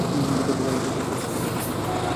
বিগত কয়েক দশক ধরে আশঙ্কাজনক হারে কমে যাচ্ছে।